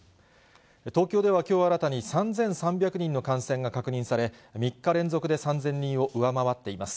東京ではきょう新たに、３３００人の感染が確認され、３日連続で３０００人を上回っています。